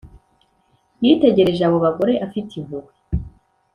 yitegereje abo bagore afite impuhwe